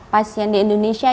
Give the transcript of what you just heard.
pasien di indonesia